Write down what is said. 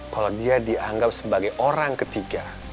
kalau dia dianggap sebagai orang ketiga